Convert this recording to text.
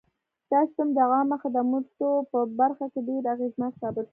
دا سیستم د عامه خدمتونو په برخه کې ډېر اغېزناک ثابت شو.